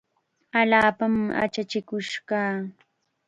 Allaapam achachikush kaa.